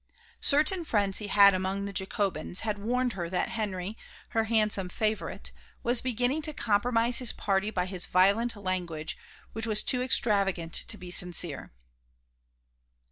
Certain friends he had among the Jacobins had warned her that Henry, her handsome favourite, was beginning to compromise his party by his violent language, which was too extravagant to be sincere.